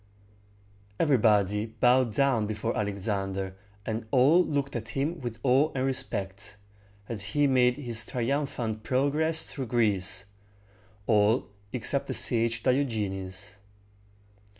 Everybody bowed down before Alexander, and all looked at him with awe and respect, as he made his triumphant progress through Greece, all except the sage Di og´e nes.